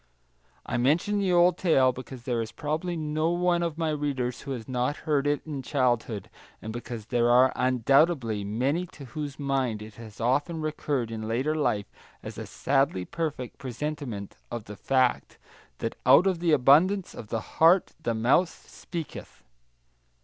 I mention the old tale because there is probably no one of my readers who has not heard it in childhood, and because there are undoubtedly many to whose mind it has often recurred in later life as a sadly perfect presentment of the fact that "out of the abundance of the heart the mouth speaketh."